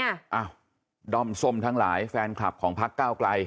อ้าวดอมสมทั้งหลายแฟนคลับของภักดิ์ก้าวกลัย